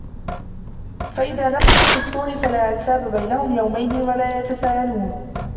فإذا نفخ في الصور فلا أنساب بينهم يومئذ ولا يتساءلون